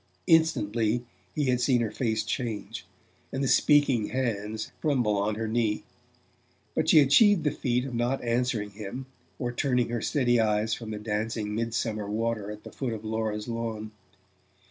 Instantly he had seen her face change, and the speaking hands tremble on her knee. But she achieved the feat of not answering him, or turning her steady eyes from the dancing mid summer water at the foot of Laura's lawn.